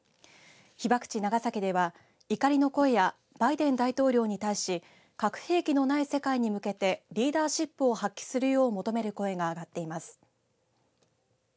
被爆地、長崎では怒りの声やバイデン大統領に対し核兵器のない世界に向けてリーダーシップを発揮するよう求める声が上がっています。